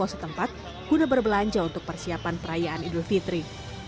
kepada penyelenggaraan beberapa orang diperlukan untuk berbelanja untuk persiapan perayaan idul fitri